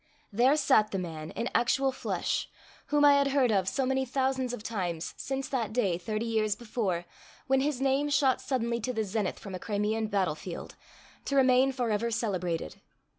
There sat the man, in actual flesh, whom I had heard of so many thousands of times since that day, thirty years before, when his name shot suddenly to the zenith from a Crimean battlefield, to remain forever celebrated.